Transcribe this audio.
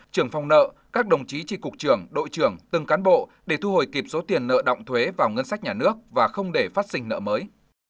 trưởng phòng nợ các đồng chí tri cục trưởng đội trưởng từng cán bộ để thu hồi kịp số tiền nợ động thuế vào ngân sách nhà nước và không để phát sinh nợ mới